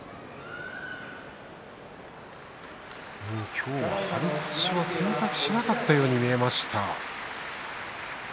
今日は張り差しを選択しなかったように見えました。